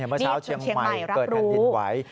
เมื่อเช้าเชียงใหม่เกิดแผ่นดินไหว